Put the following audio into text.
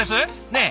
ねえ！